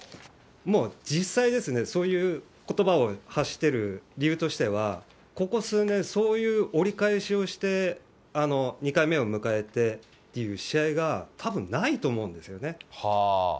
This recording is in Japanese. もう、実際ですね、そういうことばを発している理由としては、ここ数年、そういう折り返しをして、２回目を迎えてっていう試合が多分ないと思うんですよね。